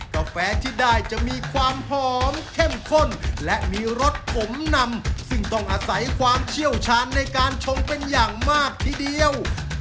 กาแฟที่ได้จะมีความหอมเข้มข้นและมีรสขมนำซึ่งต้องอาศัยความเชี่ยวชาญในการชมเป็นอย่างมากทีเดียว